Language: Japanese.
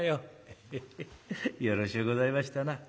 「エヘヘよろしゅうございましたな」。